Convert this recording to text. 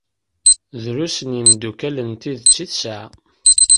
Drus n yimdukal n tidet i tesɛa.